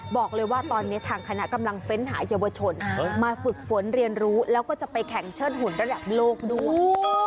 บอกเลยว่าตอนนี้คนาคมลางเฟ็นส์หาเยี่ยวชนมาฝึกฝนเรียนรู้แล้วก็จะไปแข่งเชิดหุ่นระดับโลกดู